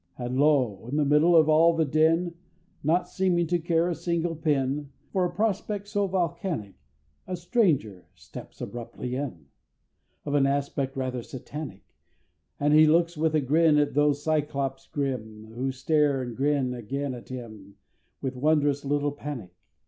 And lo! in the middle of all the din, Not seeming to care a single pin, For a prospect so volcanic, A Stranger steps abruptly in, Of an aspect rather Satanic: And he looks with a grin at those Cyclops grim, Who stare and grin again at him With wondrous little panic.